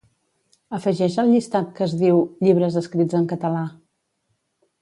Afegeix el llistat que es diu "Llibres escrits en català".